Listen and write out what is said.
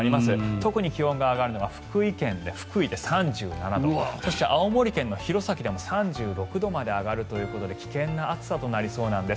特に気温が上がるのが福井県の福井で３７度そして青森県の弘前でも３６度まで上がるということで危険な暑さとなりそうなんです。